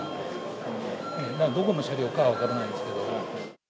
どこの車両か分からないですけど。